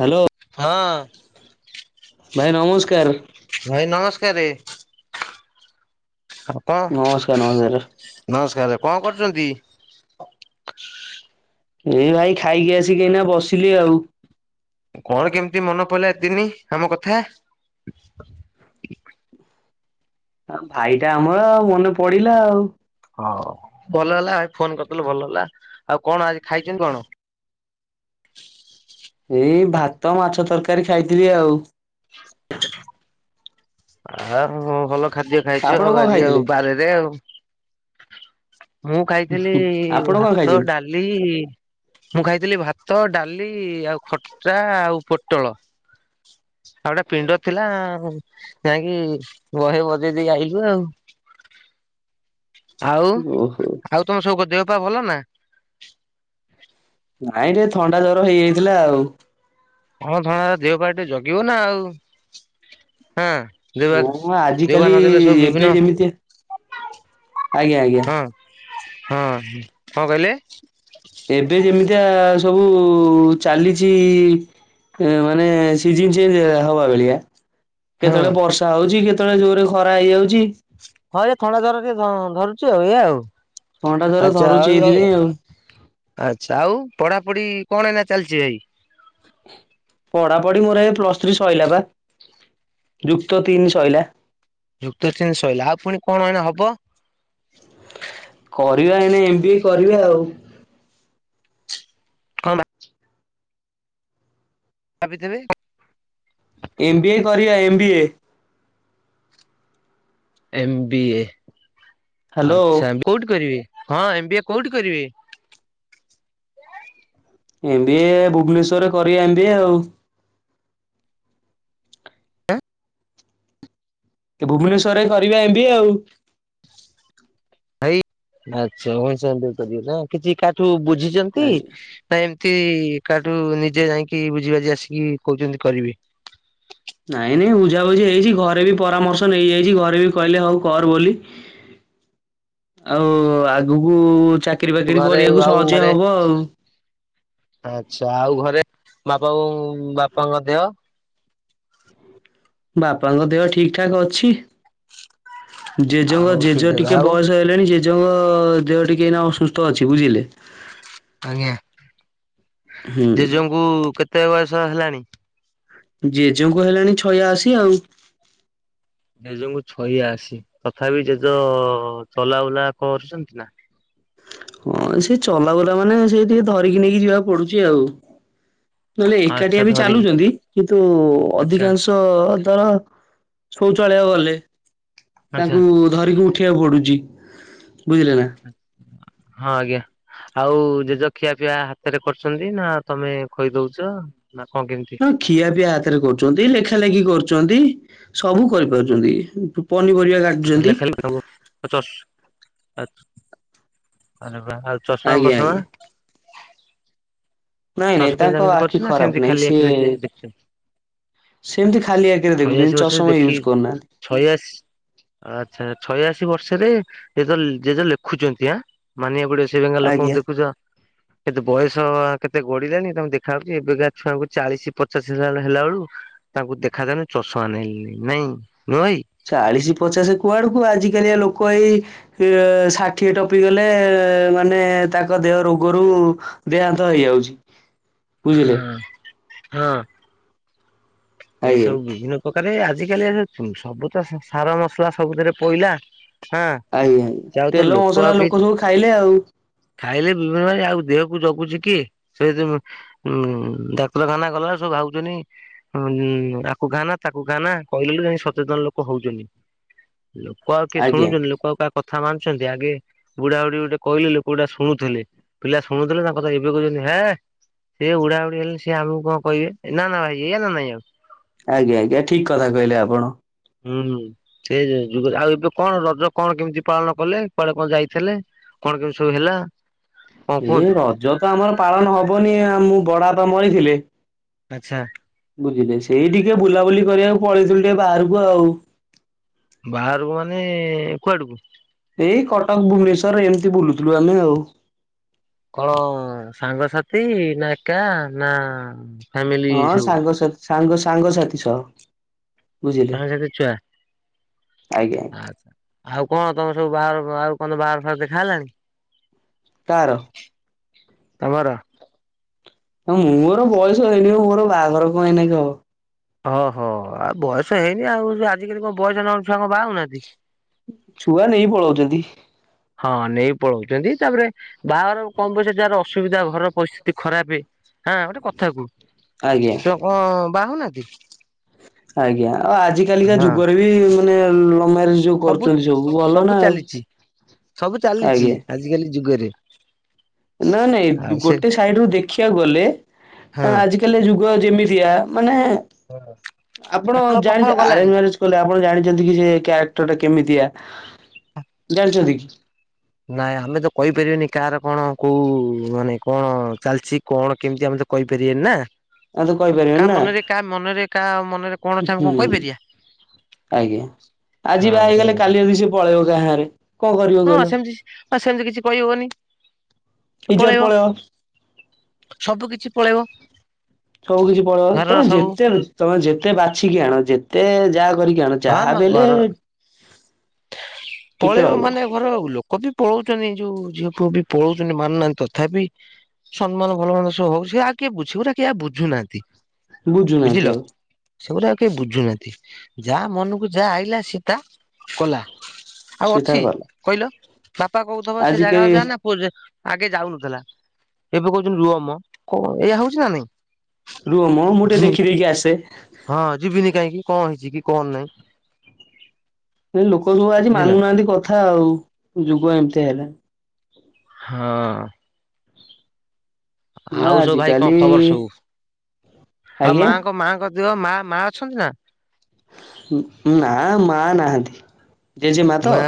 Hello ଭାଇ ନମସ୍କାର। ଭାଇ ଆଉ କ ନମସ୍କାର ନମସ୍କାର ନମସ୍କାର। କଣ କରୁଛନ୍ତି? ଏଇ ଭାଇ ଖାଇକି ଆସିକିନା ବସିଲି ଆଉ। କଣ କେମିତି ମନ ପଡିଲା ଏ ଦିନି ଆମ କଥା? ଭାଇଟା ଆମର ଆଉ ମନେ ପଡିଲା ଆଉ। ହଁ ଭଲ ହେଲା ଭାଇ ଫୋନ କରିଦେଲୁ ଭଲ ହେଲା ଆଉ କଣ ଆଜି ଖାଇଛନ୍ତି କଣ? ଏଇ ଭାତ ମାଛ ତରକାରୀ ଖାଇଥିଲି ଆଉ। ଆ ଭଲ ଖାଦ୍ୟ ଖାଇଛୁ ଆପଣ ଆଉ କଣ ଆଜି ଖାଇଥିଲେ ଆଉ ବାରରେ ଆଉ । ମୁଁ ଖାଇଥିଲି ଆପଣ କଣ ଭାତ ଖାଇଛନ୍ତି ଡାଲି ମୁଁ ଖାଇଥିଲି ଭାତ । ଡାଲି ଆଉ ଖଟା ଆଉ ପୋଟଳ । ଆଉ ଗୋଟା ପିଣ୍ଡ ଥିଲା ଆଉ ଯାଇକି ବହେ ବଜେଇ ଦେଇ ଆଇଲି ଆଉ । [inaudible] ଆଉ ଓହୋ ଆଉ ତମ ସବୁ ଦେହ ପା ଭଲ ନା? ନାଇଁ ଟିକେ ଥଣ୍ଡା ଜର ହେଇଯାଇଥିଲା ଆଉ। କ ଥଣ୍ଡା ଜର ଦେହ ପା ଟିକେ ଜଗିବ ନା ଆଉ ହଁ। ଦେହ ପା ହଁ ଦେହବପା ଆଜିକାଲି ନ କହିଲେ ସବୁ ଏବେ ବିଭିନ୍ନ ଯେମିତି ଆଜ୍ଞା ଆଜ୍ଞା । ହଁ ହଁ, କଣ କହିଲେ? ଏବେ ଯେମିତିଆ ସବୁ ଚାଲିଛି। ମାନେ ସିଜିନ ଚେଞ୍ଜ ହେଲା ହବା ଭେଳିଆ। ହଁ। କେତେବେଳେ ବର୍ଷା ହଉଛି, କେତେବେଳେ ଜୋରେ ଖରା ହେଇଯାଉଛି। ହଁ, ଏ ଥଣ୍ଡା ଜର ଟିକେ ଧ ଧରୁଛି ଆଉ ଏଇଆ ଆଉ। ଥଣ୍ଡା ଜର ଆଛା ଧରୁଛି ଆଉ ଏ ଏଇଥିପାଇଁ ଆଉ। ଆଛା ଆଉ ପଢା। ପଡି କଣ ଏଇନା ଚାଲିଛି ଭାଇ। ପଢା ପଢି ମୋର ଏ ପ୍ଲସ ଥ୍ରୀ ସଇଲା ବା। ଯୁକ୍ତ ତିନି ସଇଲା। ଯୁକ୍ତ ତିନ ଶଇଲା ଆଉ ପୁଣି କଣ ଏଇନା ହବ। କରିବା ଏଇନା ଏମ ବି ଏ କରିବା ଆଉ। ହଁ ବା। ଭାବି ଥେବେ। ଏମ ବି ଏ କରିବା M B A. M B A hello ଆଛା କୋଉଠି କରିବେ । ହଁ ଏମ ବି ଏ କୋଉଠି କରିବେ । ଏମ ବି ଏ ଭୁବନେଶ୍ୱର ରେ କରିବା ଏମ ବି ଏ ଆଉ। ଭୁବନେଶ୍ଵର ରେ କରିବା ଏମ ବି ଏ ଆଉ। ହାଇ ଆଚ୍ଛା ଭୋନଶ୍ୱରରେ କରିବେ ନା କିଛି କାଠୁ ବୁଝ। ବୁଝୀଛନ୍ତି ଆଜ୍ଞା ନା ଏମତି କାଠୁ ନିଜେ ଯାଇକି। କି ବୁଝି ବାଝୀ ଆସିକି କହୁଛନ୍ତି କରିବେ। ନାଇଁ ନାଇଁ ବୁଝାବୁଝି ହେଇଛି, ଘରେ ବି ପରାମର୍ଶ ନେଇଯାଇଛି ଘରେ ବି କହିଲେ ହଉ କର ବୋଲି। ଆଉ ଆଗକୁ ଚାକି ଚାକିରି ବାକିରି ଘରେ କରିବାକୁ ଆଉ ସହଜିଆ ଘରେ ହବ ଆଉ। ଆଚ୍ଛା ଆଉ ଘରେ ବାପା ବୋଉ ବାପାଙ୍କ ଦେହ। ବାପାଙ୍କ ଦେହ ଠିକ ଠାକ ଅଛି। ଜେଜେଙ୍କ ଆଉ ଠିକ ଜେଜ ଅଛି ଟିକେ ଆଉ ବୟସ ହେଲେଣି ଜେ ଜେଜ ଙ୍କ ଦେହ ଟିକେ ଏଇନା ଅସୁସ୍ଥ ଅଛି ବୁଝିଲେ। ଆଜ୍ଞା, ହୁଁ। ଜେଜଙ୍କୁ କେତେ ବୟସ ହେଲାଣି? ଜେଯେଙ୍କୁ ବା ହେଲାଣି ଛୟାଅଶୀ ଆଉ। ଯେଜ ଙ୍କୁ ଛଇଆ ଅସି ତଥାପି ଜେଜ ଚଲାବୁଲା କରୁଛନ୍ତି ନା? ହଁ ସେ ଚଲା ବୁଲା ମାନେ ସେଇ ଟିକେ ଧରିକି ନେଇକି ଯିବାକୁ ପଡୁଛି ଆଉ। ନଏଲେ ଆଚ୍ଛା ଏକାଟିଆ ବି ଧରିକି ଚାଲୁଛନ୍ତି କିନ୍ତୁ ଆଚ୍ଛା ଅଧିକାଂଶ ଥର ଶୌଚାଳୟ ଗଲେ ଆଚ୍ଛା। ତାଙ୍କୁ ଧରିକି ଉଠ ଉଠେଇଆକୁ ପଡୁଛି ବୁଝିଲେ ନା। ହଁ ଆଜ୍ଞା। ଆଉ ଜେଜ ଖିଆ ପିଆ ହାତରେ କରୁଛନ୍ତି, ନା ତମେ ଖୋଇଦଉଛ? ନା କଣ କେମିତି ହଁ, ଖିଆ ପିଆ ହାତରେ କରୁଛନ୍ତି ଲେଖା ଲେଖି କରୁଛନ୍ତି ସବୁ କରିପାରୁଛନ୍ତି। ପନିପରିବା ଆଛା କାଟୁଛନ୍ତି ଲେଖା ଲେଖି ସବୁ [unintelligible] ଚଶ୍ ଆଛା ଆରେବା ଆଉ ଚଷମା ଆଜ୍ଞା ବଷମା। ଆଜ୍ଞା। ନାଇଁ ନାଇଁ ଚସ ତାଙ୍କ ପିନ୍ଧାପିନ୍ଧି ଆଖି କରୁଛନ୍ତି ନା ଖରାପ ସେମିତି ନାହିଁ ଖାଲି ସିଏ ଆଖିରେ ଦେଖୁଛନ୍ତି । ସେମିତି ଖାଲି ଆଖିରେ ଦେଖୁଛନ୍ତି ଛୟାଅଶି ବର୍ଷର ଚଷମା ଦେଖି ୟୁଜ୍ କରୁନାହାନ୍ତି ଛୟାଶ୍ ଆଚ୍ଛା ଛୟଅଶି ବର୍ଷରେ ଏ ତ ଯ ଜେଜ ଲେଖୁଛନ୍ତି ଆଁ ମାନିବାକୁ ପଡ଼ିବ। ସେ ଭ ଆଜ୍ଞା। ଲୋକଙ୍କୁ ଦେଖୁଛ, କେତେ ବୟସ କେତେ ଏତେ ଗଡିଲାଣି ତଙ୍କୁେ ଦେଖାାଯାଉଉଛି ଏବେ ଗାଛୁଆଙ୍କୁ ଚାଳିଶ ପଚାଶିଲା ହେଲା ବଳ ତାଙ୍କୁ ଦେଖାଯାଉନି ୁଆେଇ ନାଇଁ। ନୁହଁ ଭାଇ। ଚାଳିଶି ପଚାଶ କୁଆଡକୁ ଆଜିିକାଲିଆ ଲୋକ କଣ ଏଇ ଷାଠିଏ ଟପି ଗଲେ ମାନେ ତାଙ୍କ ଦେହ ରୋଗରୁ ଦେହାନ୍ତ ହେଇଯାଉଛି ବୁଝିଲେ ହଁ ହଁ। ଏଇ ଆଜ୍ଞା ଆଜ୍ଞା ସବୁ ବିଭିନ୍ନ ଆରେ ଆଜିକାଲି ସବୁ ତ ସାର ମସଲା ସବୁଥିରେ ପଇଲା ହଁ ଆଜ୍ଞା ସେ ଆଉ ତ ତେଲ ଆଉ ମସଲା କେହି ଲୋକ ସବୁ ଖାଇଲେ ଆଉ। ଖାଇଲେ ବିଭିନ୍ନ ଆଉ ଦେହକୁ ଜଗୁଛି କି ସେ ଉଁ ଡାକ୍ତରଖାନା ଗଲା ସବୁ ଭାବୁଛନ୍ତି ଆକୁ ଖାନା ତାକୁ ଖାନା କହିଲେ ଯାଇ ସଚେତନ ଲୋକ ହୋଉଛନ୍ତି। ଲୋକ ଆଉ କିଏ ଆଜ୍ଞା ଶୁଣୁଛନ୍ତି ଲୋକ ଆଉ କାହା କଥା ମାନୁଛନ୍ତି ଆଗେ ବୁଢା ବୁଢୀ ଗୋଟେ କହିଲେ ଲୋକ ଗୁଢା ଶୁଣୁଥିଲେ ପିଲା ଶୁଣୁଥିଲେ ତାଙ୍କ କଥା ଏବେ ହେଁ ସ ସେଏ ଉଡା ଉଡି ହେଲେ ସିଏ ଆମକୁ କଣ କହିବେ ନା ନା ଭାଇ ଏଇା ନା ନାଇଁ। ଆଉ ଆଜ୍ଞା ଆଜ୍ଞା ଠିକ କଥା କହିଲେ ଆପଣ। ହୁଁ ସେଇ ଆଉ ଏବେ କଣ ରଜ କଣ କେମିତି ପାଳନ କଲେ କୁଆଡେ କୁଆଡେ ଯାଇଥିଲେ? କଣ କେମିତି ସବୁ ହେଲା? କଣ ଏ କୁହନ୍ତୁ ରଜ ତ ଆମର ପାଳନ ହବନି ମୁଁ ବଡ ବାପା ମରିଥିଲେ ଆଚ୍ଛା। ବୁଝିଲି ସେଇ ଟିକେ ବୁଲାବୁଲି କରିବାକୁ ପଳେଇଥିଲୁ ଟିକେ ବାହାରକୁ ଆଉ। ବାହାରକୁ ମାନେ କୁଆଡକୁ? ଏଇ କଟକ ଭୁବନେଶ୍ୱର ଏମିତି ବୁଲୁଥିଲୁ ଆମେ ଆଉ। କଣ ସାଙ୍ଗସାଥୀ ନା ଏକା ନା? ଫ୍ୟାମିଲି ହଁ ସବୁ? ସାଙ୍ଗସଥୀ ସାଙ୍ଗ ସାଙ୍ଗସାଥୀ ସହ। ବୁଝିଲେ ସାଙ୍ଗସାଥୀ ଛୁଆ। ଆଜ୍ଞା। ଆଚ୍ଛା। ଆଉ କଣ ତମର ସବୁ ବାହାଘର ଆଉ କଣ ବାହାଘର ଫାଘର ଦେଖା ହେଲାଣି? କାହାର? [unintelligible] ମୋର ବୟସ ହେଇନି ମୋର ବାହାଘର କଣ ଏନାକି ହବ। ଓଁହୋ ଆଉ ବୟସ ହେଇନି ଆଉ ଆଜିକାଲି କଣ ବୟସ ନ ଛୁଆଙ୍କ ବାହା ହଉନାହାନ୍ତି। ଛୁଆ ନେଇ ପଳଉଛନ୍ତି। ହଁ ନେଇ ପଳଉଛନ୍ତି ତାପରେ ବାହାଘର କମ୍ ପଇସା ଯାହାର ଅସୁବିଧା ଘର ପରିସ୍ଥିତି ଖରାପ ହଁ ଗୋଟେ କଥା କୁହ ଆଜ୍ଞା। ସେ କଣ ବା ହଉନାହାନ୍ତି? ଆଜ୍ଞା ଆଉ ଆଜି କାଲି କା ହଁ ଯୁଗରେ ବି ମାନେ ମ୍ୟାରେଜ ଯୋଉ ସବୁ କରୁଛନ୍ତି ଭଲ ନା ସବୁ ଆଉ। ଚାଲିଛି ସବୁ ଚାଲିଛି ଆଜିକାଲି ଯୁଗରେ। [inaudible] ନାଇ ନାଇଁ ଆଉ ସେ ଗୋଟେ ସାଇଡ ରୁ ଦେଖିବାକୁ ଗଲେ ହଁ ଆଜିକାଲି ଯୁଗ ଯେମିତି ମାନେ ଆପଣ ପଖାଳ ପଖାଳ ଜାଣିଛନ୍ତି ଗଲାଣି। ଅରେଞ୍ଜ ମ୍ୟାରେଜ କଲେ ଆପଣ ଜାଣିଛନ୍ତି କି ସେ କ୍ୟାରେକ୍ଟର ଟା କେମିତିଆ ଜାଣିଛନ୍ତି କି? ନାଇଁ ଆମେ ତ କହିପାରିବନି କାହାର କଣ କୋଉ ମାନେ କଣ ଚାଲିଛି କଣ କେମିତି ଆମେ କହିପାରିବାନି ନା ଆଉ ତ କହିପାରିବେନି କାହା ନା ମନରେ କାହା ମନରେ କାହା ମନରେ କଣ ଅଛି ଆମେ କଣ ହୁଁ କହିପାରିବା। ଆଜ୍ଞା ଆଜି ବା ହଁ ବହା ସେଇ ହେଇଗଲେ କଥା। କାଲି ଯଦି ସେ ପଳେଇବ କା ସାଙ୍ଗରେ କଣ କରିବ ହଁ କହିଲ। ସେମିତି ସେମିତି କିଛି କହିହବନି ପଳେଇବ। ସବୁ କିଛି ପଳେଇବ। ସବୁ କିଛି ପକେଇବ ମାନେ ଘରର ତମେ ସବୁ ଯେତେ ତମେ ଯେତେ ବାଛିକି ଆଣ ଯେତେ ଯାହା କରିକି ଆଣ ହଁ ଯାହା ମା ବି ହେଲେ ଘର ଟିକେ ପଳେଇବ ରହିବ ମାନେ ଘର ଲୋକ ପୁଅ ପଳଉଛନ୍ତି ଯୋଉ ଝିଅପୁଅ ବି ପଳଉଛନ୍ତି ମାନୁନାହାନ୍ତି ତଥାପି ସମ୍ମାନ ଭଲ ମାନ ସହ ହଉଛି ଆଉ କିଏ ବୁଝିବ ଯେ କିଏ ଆଉ ବୁଝୁନାହାନ୍ତି। ବୁଝୁ ନାହାନ୍ତି ଆଉ। ସେଗୁଡା ଆଉ କେହି ବୁଝୁନାହାନ୍ତି ଯାହା ମନକୁ ଯାହା ଆଇଲା ସୀତା କଲା ଆଉ ସେ ତାର ଅଛି ଗଲା କହିଲ ବାପା କହୁଥବ ସେ ଆଜି ଜାଗା ଆ କେହି ଯାଆ ନା ପୁଅ ଯ ଆଗେ ଯାଉନଥିଲା ଏବେ କହୁଛନ୍ତି ରୁହ ମ କଣ ଏହା ହଉଛି ନା ନାଇଁ। ରୁହ ମ ମୁଁ ଟିକେ ହମ୍ମ ଦେଖିଦେଇକି ଆସେ ହଁ ଯିବିନି କାହିଁକି। କଣ ହେଇଛି କି କଣ ନାହି? ଏ ଲୋକ ସବୁ ଆଜି ମାନୁନାହାନ୍ତି କଥା ଆଉ ଯୁଗ ଏମିତି ହେଲା। ହଁ ଆଉ ସବୁ ଭାଇ କଣ ଆଜିକାଲି ଖବର ସବୁ ଆଉ ଆଜ୍ଞା ମାଆଙ୍କ ମାଙ୍କ ଝିଅ ମା ମା ଅଛନ୍ତି ନା? ନା ମା ନାହାନ୍ତି ଜେଜେମା ତ? ମା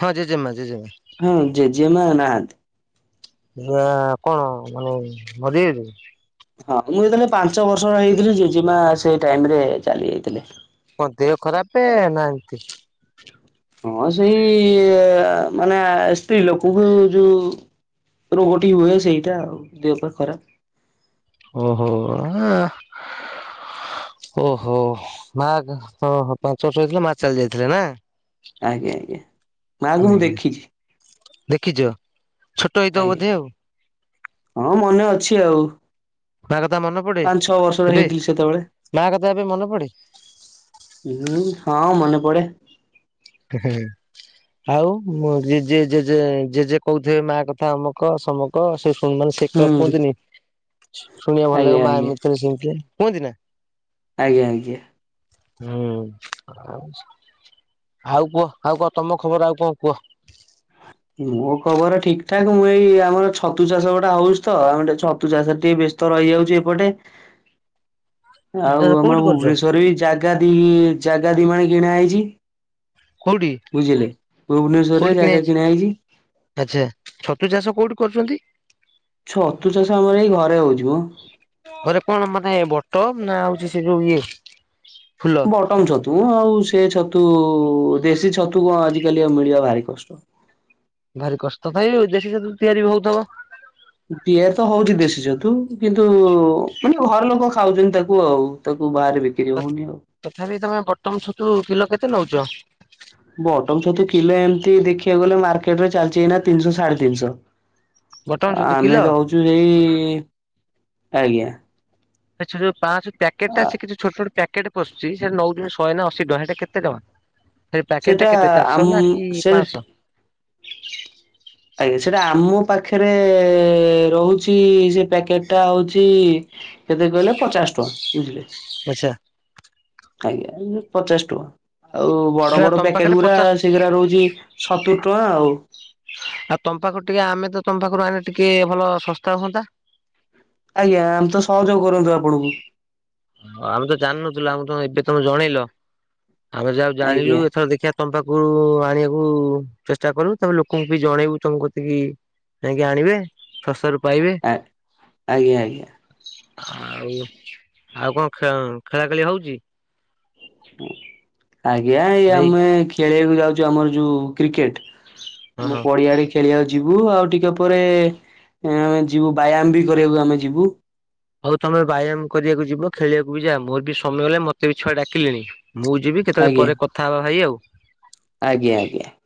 ହଁ ଜେଜେମା ଜେଜେମା। ହଁ ଜେଜେମା ନାହାନ୍ତି। [unintelligible] ହଁ ମୁଁ ଯେତେବେଳେ ପାଞ୍ଚ ବର୍ଷର ର ହେଇଥିଲି ଜେଜେମା ସେଇ ଟାଇମ ରେ ଚାଲି ଯାଇଥିଲେ। କଣ ଦେହ ଖରାପେ ନା ଏନ୍ତି ହଁ ସେଇ ମାନେ ସ୍ତ୍ରୀ ଲୋକଙ୍କୁ ଯୋଉ ରୋଗଟି ହୁଏ ସେଇଟା ଆଉ ଦେହ ପା ଖରାପ ଓହୋ ଆଁ। ଓହୋ ମା ହ ହୋ ପାଞ୍ଚ ବର୍ଷ ହେଇଥିଲେ ମା ଚାଲି ଯାଇଥିଲା ନା। ଆଜ୍ଞା ଆଜ୍ଞା ମାକୁ ମୁଁ ଦେଖିଛି। ଦେଖିଛ? ଛୋଟ ହେଇଥିବ ବୋଧେ ଆଉ। ଆଜ୍ଞା ହଁ ମନେ ଅଛି ଆଉ। ମା କଥା ମନେ ପଡେ ପାଞ୍ଚ ଛଅ ବର୍ଷର ଏବେ ହେଇଥିଲି ସେତେବେଳେ। ମା କଥା ଏବେ ମନେ ପଡେ? ହୁଁ ହଁ ମନେ ପଡେ। ହୁଁ। ଆଉ ମ ଜେ ଜେ ଜେଜେ କହୁଥିବେ ମା କଥା ଅମକ ସମକ ସେ ସେମାନେ ସେ କ ହୁଁ କୁହନ୍ତିନି ଶୁଣିବା ଭଲ ଆଜ୍ଞା ଲାଗିବ ମା ଆଜ୍ଞା ଏମିତି ସେମିତି କୁହନ୍ତି ନା। ଆଜ୍ଞା ଆଜ୍ଞା। ହୁଁ ଆ ଆଉ କୁହ ଆଉ କୁହ ତମ ଖବର ଆଉ କଣ କୁହ? ମୋ ଖବର ଠିକ ଠାକ ମୁଁ ଏଇ ଆମର ଛତୁ ଚାଷ ଗୋଟା ହଉଛି ତ ଆମେ ଟିକେ ଛତୁ ଚାଷ ଟିକେ ବେଶୀ ବ୍ୟସ୍ତ ରହିଯାଉଛି ଏପଟେ ଆଉ ଆମ କୋଉଠି କରୁଛ ଭୁବନେଶ୍ୱର ବି ଜାଗା ଦି ଜାଗା ଦି ମାଣେ କିଣା ହେଇଛି। କୋଉଠି ବୁଝିଲେ ଭୁବନେଶ୍ୱର ରେ ଜାଗା କିଣା ହେଇଛି। ଆଚ୍ଛା ଛତୁ ଚାଷ କୋଉଠି କରୁଛନ୍ତି? ଛତୁ ଚାଷ ଆମର ଏଇ ଘରେ ହଉଚି ମ। ତମ୍ ନା ଆଉଛି ସେ ଯୋଉ ଇଏ ଫୁଲ ବଟନ ଛତୁ। ତୁ ଆଉ ସେ ଛତୁ ଦେଶୀ ଛତୁ କଣ ଆଜିକାଲି ଆଉ ମିଳିବା ଭାରି କଷ୍ଟ। ଭାରି କଷ୍ଟ ଥାଏ ଆଉ ଦେଶୀ ଛତୁ ତିଆରି ବି ହଉ ଥବ। ପିଆ ତ ହଉଛି ଦେଶୀ ଛତୁ କିନ୍ତୁ ମାନେ ଘର ଲୋକ ଖାଉଛନ୍ତି ତାକୁ ଆଉ ତାକୁ ବାହାର ବିକ୍ରି ହଉନି ଆଉ। ତଥାପି ତମେ ବଟମ ଛତୁ କିଲୋ କେତେ ନଉଛ ବଟମ ଛତୁ କିଲେ ଏମତି ଏ ଦେଖିବାକୁ ଗଲେ ମାର୍କେଟ ରେ ଚାଲିଛି ଏଇନା ତିନିଶହ ସାଢେତିନିଶହ। ବଟମ ଛତୁ ଆମେ କିଲୋ ଯାଉଛୁ ସେଇ ଆଜ୍ଞା ଆଛା ଯଉ ପାଞ୍ଚ ପ୍ୟାକଟ ଟା ସେ କିଛି ଛୋଟ ଛୋଟ କିଛି ପ୍ୟାକ ିକଟେ ପଶୁଛି ସେଟା ନଉଛନ୍ତି ଶହେ ନା ଅଶୀ ଟଙ୍କା ସେଇଟା କେତେ ଟଙ୍କା। ସେ ପ୍ୟାକେଟ ଟା ସେଟା କେତେ ଆମ ଚାରିଶହ ନା କି ସେ ପାଁସହ। ଆଜ୍ଞା ସେଟା ଆମ ପାଖରେ ରହୁଛି ସେ ପ୍ୟାକେଟ ଟା ହଉଛି କେତେ କହିଲେ ପଚାଶ ଟଙ୍କା। ବୁଝିଲେ। ପଇସା ଆଜ୍ଞା ପଚାଶ ଟଙ୍କା। ଆଉ ବଡ ସେଟା ବଡ ତମ ପ୍ୟାକେଟ ପାଖରେ ଗୁଡା ପଚାଶ ସେଗଡା ରହୁଛି ସତୁରି ଟଙ୍କା ଆଉ। ଆଉ ତମ୍ ପାଖରୁ ଟିକେ ଆମେତ ତମ୍ ପାାଖରୁ ଆଣିଲେ ଟିକେ ଭଲ ଶସ୍ତା ହୁଅନ୍ତା। ଆଜ୍ଞା, ଆମେ ତ ସହଯୋଗ କରନ୍ତୁ, ଆପଣଙ୍କୁ। ହଁ ଆମେ ତ ଜାଣିନଥିଲୁ, ଆମକୁ ତ ଏବେ ତମେ ଜଣେଇଲ! ଆମେ ଯାହଉ ଜାଣିଲୁ, ଆଜ୍ଞା ଏଥର ଦେଖିବା ତମ ପାଖକୁ ଆଣିବାକୁ ଉ-ଉ ଚେଷ୍ଟା କରିବୁ। ତବେ ଲୋକଙ୍କୁ ବି ଜଣେଇବୁ ତମ କତିକି ଯାଇକି ଆଣିବେ। ଶସ୍ତାରୁ ପାଇବେ ଆ ଆଜ୍ଞା ଆଜ୍ଞା। ଆଉ ଆଉ କଣ ଖେଳ ଖେଳା ଖେଳି ହଉଛି? ଆଜ୍ଞା ଏଇ ଭାଇ ଆମେ ଖେଳିବାକୁ ଯାଉଛୁ ଆମର ଯୋଉ କ୍ରିକେଟ। ହଁ ମୁଁ ହଁ ପଡିଆ ଆଡେ ଖେଳିବାକୁ ଯିବି। ବୁ ଆଉ ଟିକେ ପରେ ଆମେ ଯିବୁ, ବ୍ୟାୟାମ ବି କରିବାକୁ ଆମେ ଯିବୁ। ହଉ ତମେ ବ୍ୟାୟାମ କରିବାକୁ ଯିବ। ଖେଳିବାକୁ ବି ଯା ମୋର ବି ସମୟ ଗଲାଣି, ମତେ ବି ଛୁଆ ଡାକିଲେଣି। ମୁଁ ଯିବି କେତେବେଳେ ଆଜ୍ଞା ପରେ କଥା ହବା ଭାଇ ଆଉ। ଆଜ୍ଞା ଆଜ୍ଞା।